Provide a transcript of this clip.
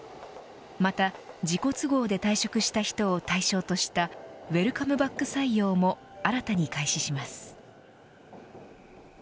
また自己都合で退職した人を対象としたウエルカムバック採用も新たに開始します。